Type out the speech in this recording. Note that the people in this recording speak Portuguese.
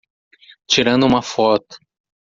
Tirando uma foto